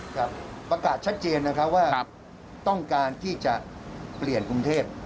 ครับประกาศชัดเจนนะคะว่าครับต้องการที่จะเปลี่ยนกรุงเทพฯ